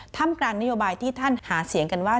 กลางนโยบายที่ท่านหาเสียงกันว่า